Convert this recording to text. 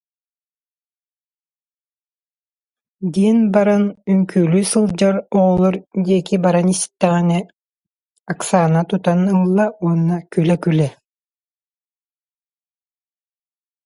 диэн баран үҥкүүлүү сылдьар оҕолор диэки баран истэҕинэ, Оксана тутан ылла уонна күлэ-күлэ: